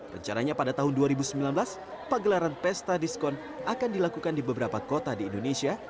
rencananya pada tahun dua ribu sembilan belas pagelaran pesta diskon akan dilakukan di beberapa kota di indonesia